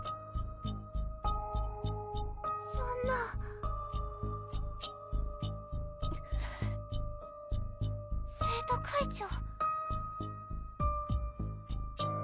そんな生徒会長